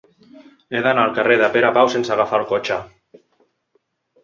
He d'anar al carrer de Pere Pau sense agafar el cotxe.